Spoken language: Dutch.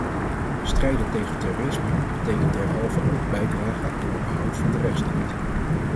Strijden tegen terrorisme betekent derhalve ook bijdragen aan het behoud van de rechtsstaat.